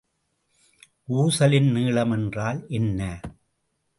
ஊசலின் நீளம் என்றால் என்ன?